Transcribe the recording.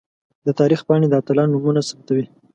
د تاریخ پاڼې د اتلانو نومونه ثبتوي.